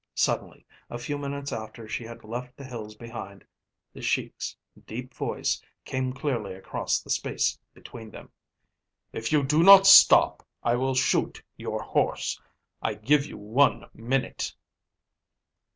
Suddenly, a few minutes after she had left the hills behind, the Sheik's deep voice came clearly across the space between them. "If you do not stop I will shoot your horse. I give you one minute."